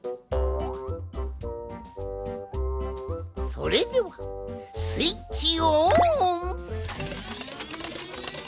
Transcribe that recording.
それではスイッチオン！